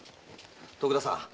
徳田さん